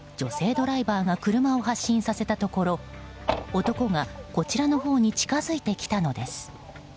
ドライバーが車を発進させたところ男がこちらのほうに近づいてきたのです。